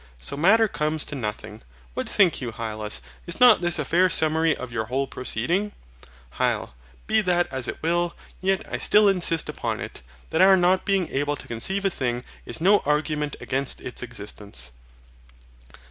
So Matter comes to nothing. What think you, Hylas, is not this a fair summary of your whole proceeding? HYL. Be that as it will, yet I still insist upon it, that our not being able to conceive a thing is no argument against its existence.